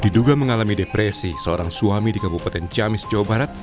diduga mengalami depresi seorang suami di kabupaten ciamis jawa barat